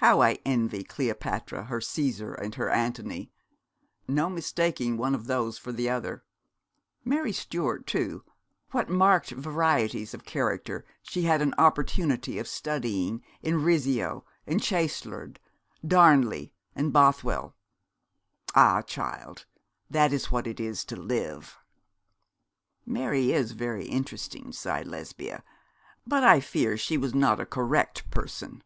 How I envy Cleopatra her Cæsar and her Antony. No mistaking one of those for the other. Mary Stuart too, what marked varieties of character she had an opportunity of studying in Rizzio and Chastelard, Darnley and Bothwell. Ah, child, that is what it is to live.' 'Mary is very interesting,' sighed Lesbia; 'but I fear she was not a correct person.'